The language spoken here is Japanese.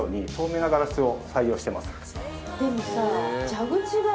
でもさ。